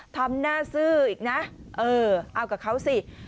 ทำหน้าซื่ออีกนะเออเอากับเขาสิ